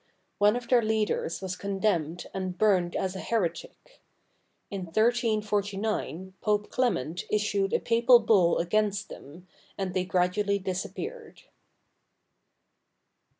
One of their leaders was condemned and burnt as a heretic. In 1349, Pope Clement issued a papal bull against them, and they gradually disappeared.